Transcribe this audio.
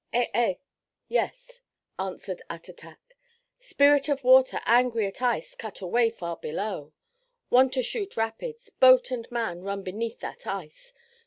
"Eh eh," (yes) answered Attatak. "Spirit of water angry at ice cut away far below. Want to shoot rapids; boats and man run beneath that ice.